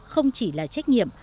không chỉ là trách nhiệm